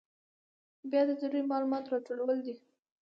بیا د ضروري معلوماتو راټولول دي.